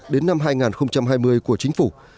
đến năm hai nghìn hai mươi của chính phủ